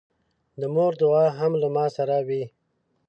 د مور دعا هم له ما سره وي.